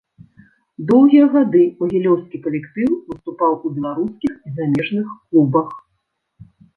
Доўгія гады магілёўскі калектыў выступаў у беларускіх і замежных клубах.